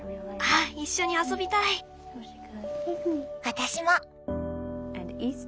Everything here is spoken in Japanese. あぁ一緒に遊びたい！